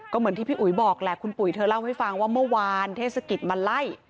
ก็เหมือนที่พี่อุ๋ยบอกแหละคุณปุ๋ยเธอเล่าให้ฟังว่าเมื่อวานเทศกิจมาไล่